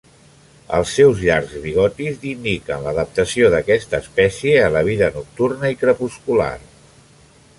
Els seus llargs bigotis indiquen l'adaptació d'aquesta espècie a la vida nocturna i crepuscular.